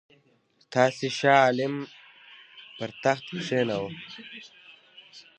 تاسي شاه عالم پر تخت کښېناوه.